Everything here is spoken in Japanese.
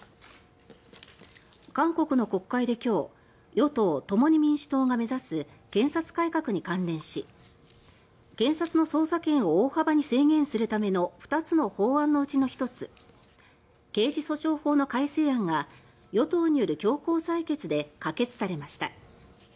韓国の国会で今日与党・共に民主党が目指す検察改革に関連し検察の捜査権を大幅に制限するための２つの法案のうちの１つ刑事訴訟法の改正案が与党による強行採決で可決されました。